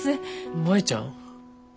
舞ちゃん。